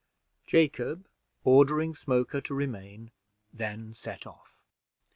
Jacob, ordering Smoker to remain, then set off.